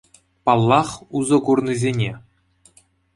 Паллах, усӑ курнисене.